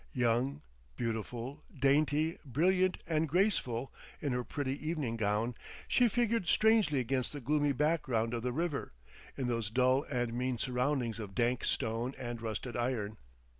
Young, beautiful, dainty, brilliant and graceful in her pretty evening gown, she figured strangely against the gloomy background of the river, in those dull and mean surroundings of dank stone and rusted iron.